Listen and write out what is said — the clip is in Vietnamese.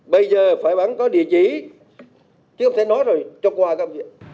bây giờ phải bắn có địa chỉ chứ không thể nói rồi cho qua các vị